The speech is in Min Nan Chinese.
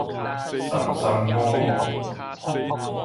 三三五五